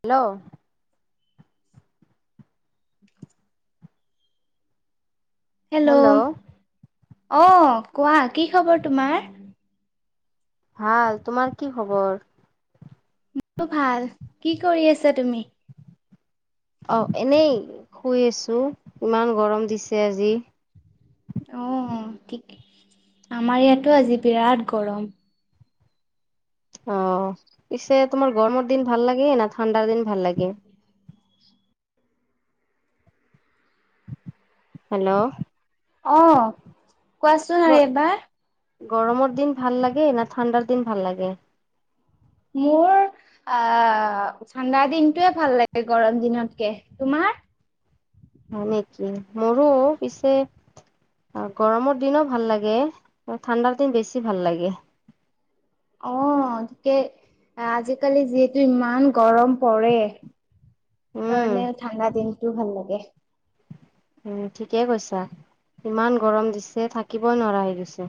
Hello [inaudible] hello অ কোৱা কি খবৰ তোমাৰ ভাল তোমাৰ কি খবৰ ভাল কি কৰি আছা তুমি অ এনেই শুই আছো ইমান গৰম দিছে আজি অ ঠিকে আমাৰ ইয়াতো আজি বিৰাট গৰম অ পিছে তোমাৰ গৰমৰ দিন ভাল লাগে না ঠাণ্ডাৰ দিন ভাল লাগে হেল্ল' অ কোৱাচোন আৰু এবাৰ গৰমৰ দিন ভাল লাগে না ঠাণ্ডাৰ দিন ভাল লাগে মোৰ আহ ঠাণ্ডা দিনটোয়ে ভাল লাগে গৰম দিনতকে তোমাৰ হয় নেকি মোৰো পিছে অ গৰমৰ দিনো ভাল লাগে ঠাণ্ডাৰ দিন বেছি ভাল লাগে অ তাকে আজিকালি যিহেতু ইমান গৰম পৰে উম সেইকাৰণে ঠাণ্ডা দিনটো ভাল লাগে উম ঠিকে কৈছা ইমান গৰম দিছে থাকিবই নোৱাৰা হৈ গৈছে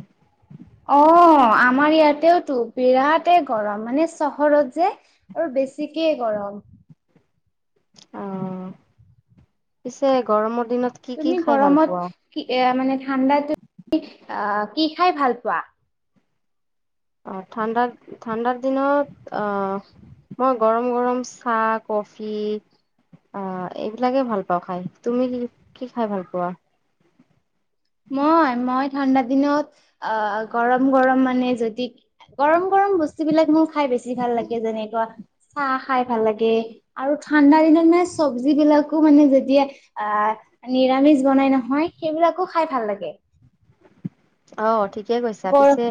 অ আমাৰ ইয়াতেতো বিৰাটেই গৰম মানে চহৰত যে আৰু বেছিকেই গৰম অ পিছে গৰমৰ দিনত কি কি তুমি খাই ভাল পোৱা গৰমত কি এ মানে ঠাণ্ডাত তুমি আহ কি খাই ভাল পোৱা অ ঠাণ্ডা ঠাণ্ডাৰ দিনত অ মই গৰম গৰম চাহ কফি অ এইবিলাকে ভাল পাও খাই তুমি কি কি খাই ভাল পোৱা মই মই ঠাণ্ডা দিনত অ গৰম গৰম মানে যদি গৰম গৰম বস্তু বিলাক মোৰ খাই বেছি ভাল লাগে যেনেকুৱা চাহ খাই ভাল লাগে আৰু ঠাণ্ডাৰ দিনত মানে চব্জিবিলাকো মানে যেতিয়া আ নিৰামিষ বনাই নহয় সেইবিলাকো খাই ভাল লাগে অ ঠিকে কৈছা গৰ পিছে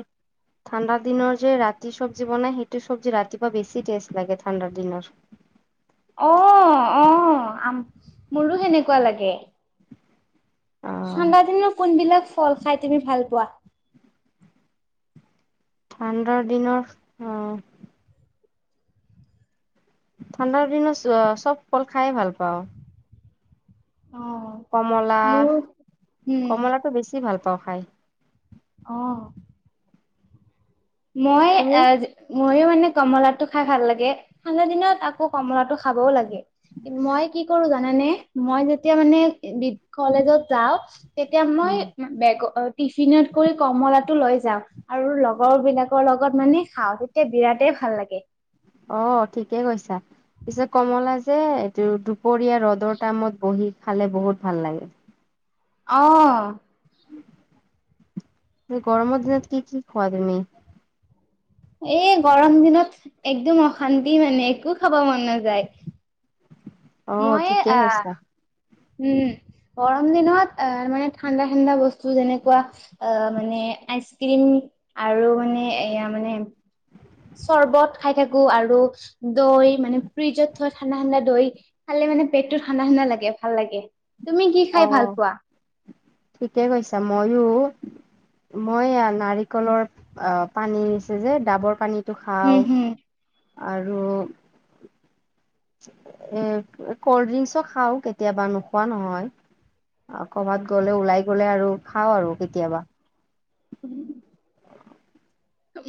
ঠাণ্ডাৰ দিনৰ যে ৰাতি চব্জি বনাই সেইটো চব্জি ৰাতিপুৱা বেছি টেষ্ট লাগে ঠাণ্ডাৰ দিনত অ অ আম মোৰো সেনেকুৱা লাগে অ ঠাণ্ডা দিনৰ কোনবিলাক ফল খাই তুমি ভাল পোৱা ঠাণ্ডাৰ দিনৰ অ ঠাণ্ডাৰ দিনত চব ফল খাই এ ভাল পাওঁ। অ, কমলা মোৰ উম কমলাটো বেছি ভাল পাওঁ খাই। অ, মই তুমি এ ময়ো মানে কমলাটো খাই ভাল লাগে ঠাণ্ডা দিনত আকৌ কমলাটো খাবও লাগে। মই কি কৰো জানানে মই যেতিয়া মানে বি কলেজত যাও তেতিয়া মই উম বেগ টিফিনত কৰি কমলা টো লৈ যাওঁ আৰু লগৰ বিলাক লগত মানে খাওঁ তেতিয়া বিৰাটেই ভাল লাগে। অ ঠিকে কৈছা পিছে কমলা যে দুপৰীয়া ৰ'দৰ টাইমত বহি খালে বহুত ভাল লাগে। অ, অ, গৰমৰ দিনত কি কি খোৱা তুমি? এই গৰম দিনত একদম অশান্তি মানে একো খাব মন নাযায়। অ', মই ঠিকে কৈছা। আহ উম গৰম দিনত অ মানে ঠাণ্ডা ঠাণ্ডা বস্তু যেনেকুৱা অ মানে আইচ ক্ৰীম আৰু মানে এয়া মানে চৰ্বত খাই থাকো আৰু দৈ মানে ফ্ৰিজত থৈ ঠাণ্ডা ঠাণ্ডা দৈ খালে মানে পেটটো ঠাণ্ডা ঠাণ্ডা লাগে ভাল লাগে তুমি কি খাই অ', ভাল পোৱা? ঠিকে কৈছা মইয়ো মই নাৰিকলৰ অ পানী আছে যে ডাবৰ পানী টো হুম, খাওঁ হুম, আৰু এ কল্ড ড্ৰিংকচো খাওঁ নোখোৱা নহয়? ক'বাত ওলাই গ'লে আৰু খাওঁ আৰু কেতিয়াবা? উম।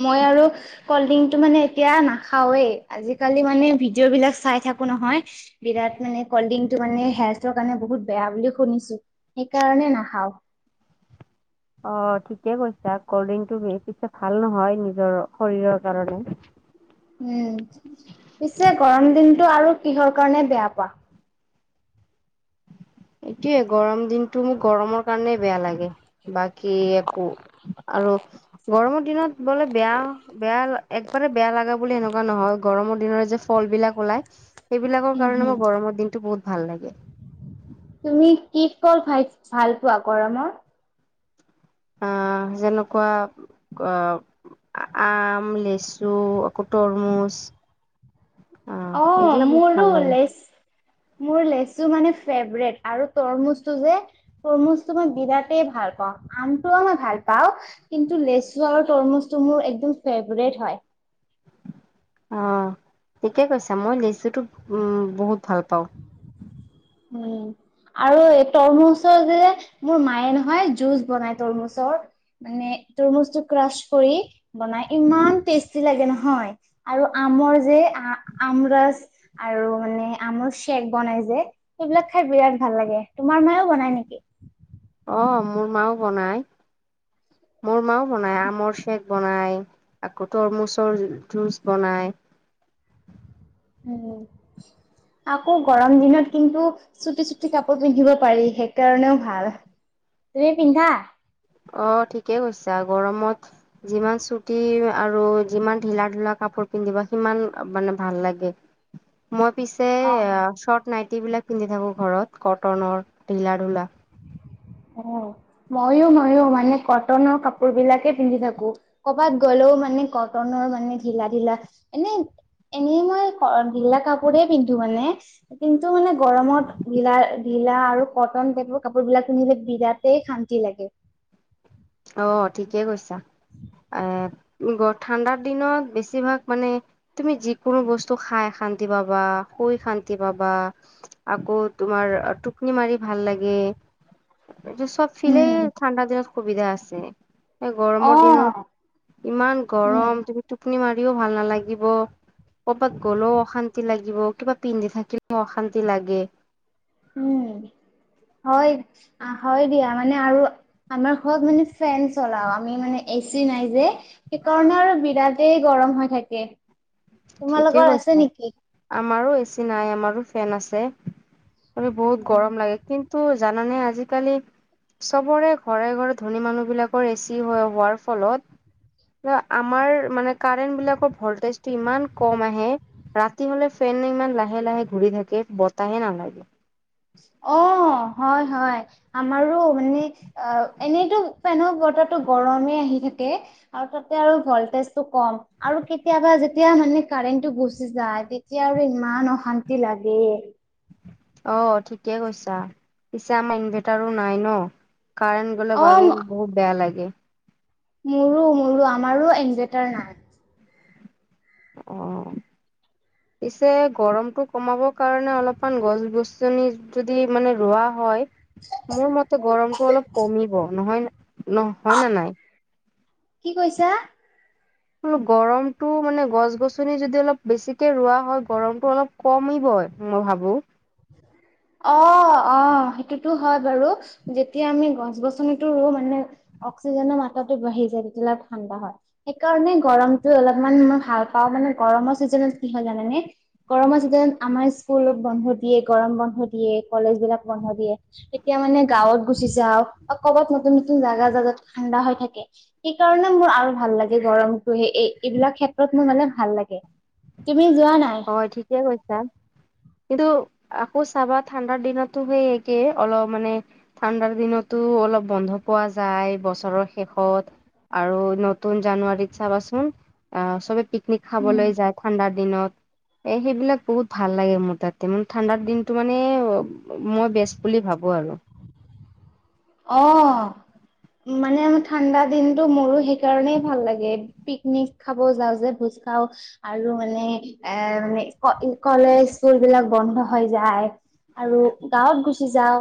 মই আৰু কলড্ৰিংটো মানে এতিয়া নাখাওৱেই আজিকালি মানে ভিডিঅ' বিলাক চাই থাকো নহয়। বিৰাট মানে কল্ডড্ৰিংকটো মানে হেল্থৰ কাৰণে বহুত বেয়া বুলি শুনিছোঁ। সেইকাৰণে নাখাওঁ। অ ঠিকে কৈছা কল্ডড্ৰিংকটো বেছি ভাল নহয় নিজৰ শৰীৰৰ কাৰণে উম পিছে গৰম দিনটো আৰু কিহৰ কাৰণে বেয়া পোৱা। এইটোয়ে গৰম দিনটো মোক গৰমৰ কাৰণেই বেয়া লাগে বাকী একো আৰু গৰমৰ দিনত বোলে বেয়া বেয়া একবাৰে বেয়া লগা বুলি এনেকুৱা নহয় গৰমৰ দিনৰে যে ফল বিলাক ওলাই সেইবিলাকৰ হম কাৰণে হম। মই গৰমৰ দিনটো বহুত ভাল লাগে। তুমি কি ফল ভাই ভাল পোৱা গৰমত? অহ যেনেকুৱা ক আম, লেচু আকৌ তৰমুজ অ আহ এইগিলা বহুত মোৰো ভাল লাগে লেচু মোৰ লেচু মানে ফেভৰেট আৰু তৰমুজটো যে তৰমুজতো মই বিৰাতে ভাল পাওঁ আমটোও মই ভাল পাওঁ। কিন্তু লেচু আৰু তৰমুচটো মোৰ একদম ফেভৰেট হয়। অঁ', ঠিকে কৈছা মই লেচুটো বহুত ভাল পাওঁ। উম। আৰু তৰমুজৰ যে মোৰ মায়ে নহয় জুচ বনাই তৰমুজৰ। মানে তৰমুজটো ক্ৰাছ কৰি বনাই ইমান টেষ্টি লাগে নহয় আৰু আমৰ যে আ আমৰাজ আৰু মানে আমুল চেক বনাই যে সেইবিলাক খাই বিৰাট ভাল লাগে, তোমাৰ মায়েও বনাই নেকি? অ মোৰ মাও বনাই, মোৰ মাও বনাই আমৰ চেক বনাই আকৌ তৰমুচৰ জুচ বনাই। উম আকৌ গৰম দিনত কিন্তু চুটি চুটি কাপোৰ পিন্ধিব পাৰি সেইকাৰণেও ভাল। তুমি পিন্ধা? অ ঠিকে কৈছা গৰমত যিমান চুটি আৰু যিমান ঢিলা ঢলা কাপোৰ পিন্ধিব সিমান মানে ভাল লাগে। মই পিছে অ'। শৰ্ট নাইটী বিলাক পিন্ধি থাকো ঘৰত কটনৰ ঢিলা ঢলা। অ ময়ো ময়ো মানে কটনৰ কাপোৰ বিলাকে পিন্ধি থাকো। কৰবাত গ'লেও মানে কটনৰ মানে ঢিলা ঢিলা এনে এনেই মই ঢিলা কাপোৰেই পিন্ধো মানে কিন্তু মানে গৰমত ঢিলা আৰু কটন টাইপোৰ কাপোৰ বিলাক পিন্ধিলে বিৰাটেই শান্তি লাগে। অ ঠিকে কৈছা এ গ ঠাণ্ডাৰ বেছিভাগ মানে তুমি যিকোনো বস্তু খাই শান্তি পাবা, শুই শান্তি পাবা আকৌ তোমাৰ টুপনি মাৰি ভাল লাগে। এইটো চব ফিলে উম, ঠাণ্ডা দিনত সুবিধা আছে। এই গৰমৰ অ', দিনত ইমান উম, গৰম তুমি টোপনি মাৰিও ভাল নালাগিব। ক'ৰবাত গ'লেও অশান্তি লাগিব, কিবা পিন্ধি থাকিলেও অশান্তি লাগে। উম হয় হয় আ দিয়া মানে আৰু আমাৰ ঘৰত মানে ফেন চলাও আমি মানে এ চি নাই যে। সেইকাৰণে আৰু বিৰাটেই গৰম হৈ থাকে। ঠিকে তোমালোকৰ আছে কৈছা। নেকি? আমাৰো এ চি নাই আমাৰো ফেন আছে। ত বহুত উম। গৰম লাগে। কিন্তু জানানে আজিকালি চবৰে ঘৰে ঘৰে ধনী মানুহবিলাকৰ এ চি হো-হোৱাৰ ফলত আমাৰ মানে কাৰেণ্ট বিলাকৰ ভল্টেজ ইমান কম আহে ৰাতি হ'লে ফেন ইমান লাহে লাহে ঘূৰি থাকে বতাহে নালাগে। অ হয় হয়। আমাৰো মানে অ এনেইতো মানুহ বতো গৰমে আহি থাকে আৰু তাতে আৰু ভল্টেজটো কম। আৰু কেতিয়াবা যেতিয়া মানে কাৰেণ্টটো গুচি যায়, তেতিয়া আৰু ইমান অশান্তি লাগে। অ ঠিকে কৈছা। পিছে আমাৰ ইনভাৰ্টাৰো নাই ন কাৰেণ্ট গ'লে অ', বাৰু বহুত বেয়া লাগে। মোৰো মোৰো আমাৰো ইনভাৰ্টাৰ নাই অ [unintelligible] পিছে গৰমতটো কমাবৰ কাৰণে অলপমান গছ গছনি যদি মানে ৰোৱা হয়। মোৰ মতে গৰমতটো অলপ কমিব, নহয় ন হয় ন নাই? কি কৈছা? গৰমতটো মানে গছ গছনি যদি অলপ বেছিকে ৰোৱা হয় গৰমতটো অলপ কমিবই মই ভাবো। অ', অ', সেইটোতো হয় বাৰু, যেতিয়া আমি গছ গছনিটো ৰু মানে অক্সিজেন মাত্ৰাটো বাঢ়ি যায় তেতিয়া হ'লে ঠাণ্ডা হয়। সেইকাৰণে গৰমটো অলপমান মই ভাল পাওঁ মানে গৰমৰ চিজনত কি হয় জানানে? গৰমৰ চিজনত আমাৰ স্কুল বন্ধ দিয়ে, গৰম বন্ধ দিয়ে, কলেজবিলাক বন্ধ দিয়ে। তেতিয়া মানে গাঁৱত গুচি যাওঁ আৰু বা ক'বাত নতুন, নতুন জাগা যাজত ঠাণ্ডা হৈ থাকে। সেইকাৰণে মোৰ আৰু ভাল লাগে গৰমটোহে এই এইবিলাক ক্ষেত্ৰত মোৰ মানে ভাল লাগে। তুমি যোৱা নাই? হয়, ঠিকে কৈছা। কিন্তু আকৌ চাবা ঠাণ্ডাৰ দিনতো সেই একে অলপ মানে ঠাণ্ডাৰ দিনতো অলপ বন্ধ পোৱা যায় বছৰৰ শেষত। আৰু নতুন জানুৱাৰীত চাবাচোন অ', চবে পিকনিক উম, খাবলৈ যায় ঠাণ্ডাৰ দিনত। এ সেইবিলাক বহুত ভাল লাগে মোৰ তাতে ম ঠাণ্ডাৰ দিনটো মানে মই বেষ্ট বুলি ভাবোঁ আৰু। অ', মানে ঠাণ্ডা দিনটো মোৰো সেইকাৰণেই ভাল লাগে। পিকনিক খাব যাওঁ যে ভোজ খাওঁ। আৰু মানে এ মানে ক কলেজ স্কুলবিলাক বন্ধ হৈ যায়। আৰু গাঁৱত গুচি যাওঁ,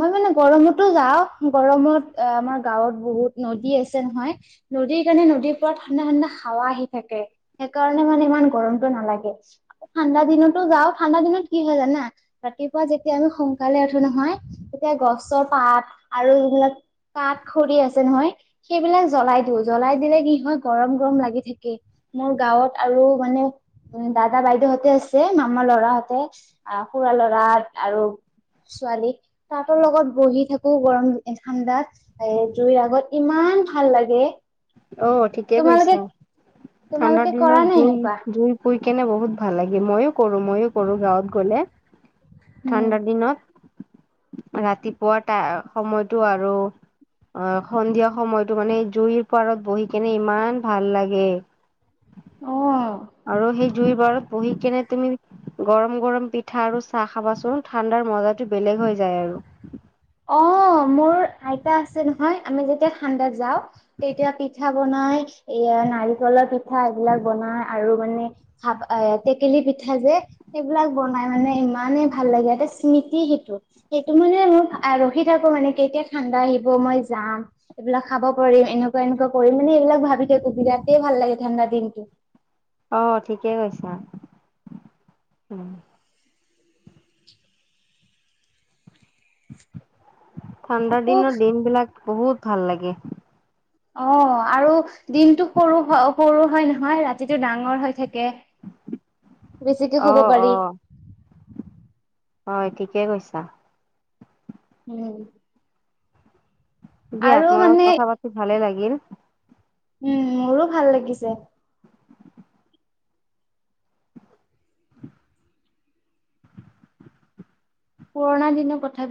মই মানে গৰমত টো যাওঁ গৰমত অ', আমাৰ গাঁৱত বহুত নদী আছে নহয়। নদীৰ কাৰণে নদীৰ পাৰত ঠাণ্ডা ঠাণ্ডা হাৱা আহি থাকে। সেইকাৰণে মানে ইমান গৰমটো নালাগে। আকৌ ঠাণ্ডা দিনতো যাওঁ ঠাণ্ডা দিনত কি হয় জানা, ৰাতিপুৱা আমি সোনকালে নহয়। এতিয়া গছৰ পাত আৰু যোনবিলাক কাঠ খৰি আছে নহয়। সেইবিলাক জ্বলাই দিওঁ, জ্বলাই দিলে কি হয় গৰম গৰম লাগি থাকে। মোৰ গাঁৱত আৰু মানে উম, দাদা, বাইদেউহঁতে আছে মামাৰ ল'ৰাহতে আৰু খুৰা ল'ৰা আৰু ছোৱালীক তাহাঁতৰ লগত বহি থাকোঁ, গৰম ঠাণ্ডাত জুইৰ ইমান ভাল লাগে। অ', ঠিকে তোমালোকে কৈছা, ঠাণ্ডাৰ তোমালোকে কৰা দিনত নাই জুই এনেকুৱা জুই শুই কেনে বহুত ভাল লাগে ময়ো কৰোঁ ময়ো কৰোঁ, গাঁৱত গ'লে, ঠাণ্ডাৰ উম দিনত ৰাতিপুৱা টা সময়টো আৰু অ', সন্ধিয়া সময়টো মানে জুইৰ পাৰত বহি কেনে ইমান ভাল লাগে। অহ। আৰু সেই জুইৰ বাৰত বহি কেনে তুমি গৰম গৰম পিঠা আৰু চাহ খাবাচোন ঠাণ্ডাৰ মজাটো বেলেগ হৈ যায় আৰু। অ', মোৰ আইতা আছে নহয় আমি যেতিয়া ঠাণ্ডাত যাওঁ। তেতিয়া পিঠা বনাই এয়া নাৰিকলৰ পিঠা এইবিলাক বনাই আৰু মানে খাব এ টেকেলি পিঠা যে। সেইবিলাক বনাই মানে ইমানেই ভাল লাগে, এটা স্মৃতি সেইটো সেইটো মানে মোৰ আৰু ৰখি থাকোঁ মানে কেতিয়া ঠাণ্ডা আহিব, মই যাম। এইবিলাক খাব পাৰিম, এনেকুৱা এনেকুৱা কৰিম মানে এইবিলাক ভাবি থাকোঁ বিৰাটেই ভাল লাগে ঠাণ্ডা দিনটো। অ', ঠিকেই কৈছা। [inaudible] ঠাণ্ডাৰ আকৌ দিনত দিনবিলাক বহুত ভাল লাগে। অ', আৰু দিনটো সৰু হয় সৰু হয় নহয় ৰাতিটো ডাঙৰ হৈ থাকে। বেছিকে শুব অ', পাৰি। অ', হয় ঠিকে কৈছা। উম [unintelligible] দিয়া আৰু তোমাৰ লগত মানে কথা পাতি ভালে লাগিল উম মোৰো ভাল লাগিছে পুৰণা দিনৰ কথা বিলাক